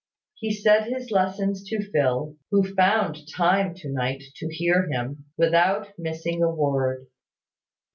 He said his lessons to Phil (who found time to night to hear him), without missing a word.